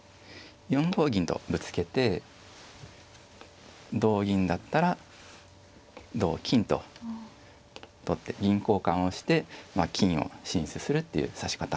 ４五銀とぶつけて同銀だったら同金と取って銀交換をして金を進出するっていう指し方見えるんですが。